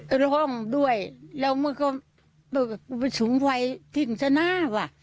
โรงไห้ด้วยโรงด้วยแล้วมันก็มันถึงไฟทิ้งซะหน้าว่ะ